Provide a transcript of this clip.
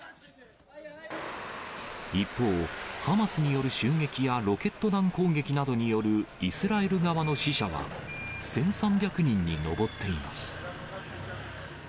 一方、ハマスによる襲撃やロケット弾攻撃などによるイスラエル側の死者は１３００人に上っています。